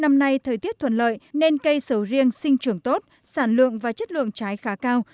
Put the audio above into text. năm nay thời tiết thuận lợi nên cây sầu riêng sinh trưởng tốt sản lượng và chất lượng trái khá cao